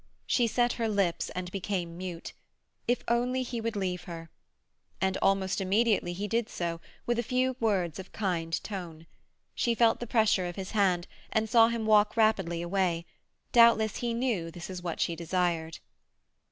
She set her lips and became mute. If only he would leave her! And almost immediately he did so, with a few words of kind tone. She felt the pressure of his hand, and saw him walk rapidly away; doubtless he knew this was what she desired.